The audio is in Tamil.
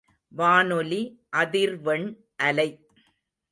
வானொலி அதிர்வெண் அலை.